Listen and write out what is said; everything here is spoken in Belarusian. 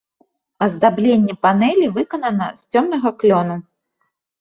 Аздабленне панэлі выканана з цёмнага клёну.